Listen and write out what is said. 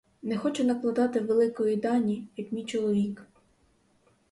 Не хочу накладати великої дані, як мій чоловік.